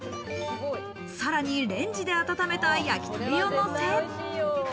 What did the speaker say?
さらにレンジで温めた焼き鳥をのせ。